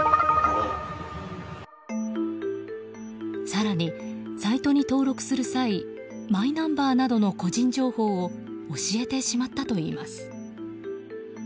更に、サイトに登録する際マイナンバーなどの個人情報を教えてしまったといいます。